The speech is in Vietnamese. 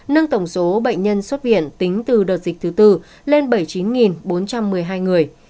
nâng tổng số bệnh nhân xuất viện tính từ đợt dịch thứ tư lên bảy mươi chín bốn trăm một mươi hai người